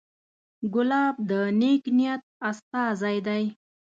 ګلاب د نیک نیت استازی دی.